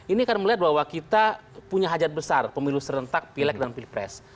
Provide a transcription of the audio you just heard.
ini akan melihat bahwa kita punya hajat besar pemilu serentak pilek dan pilpres